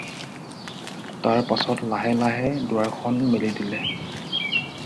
তাৰ পাচত লাহে লাহে দুৱাৰখন মেলি দিলে।